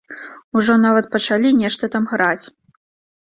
Ужо нават пачалі нешта там граць.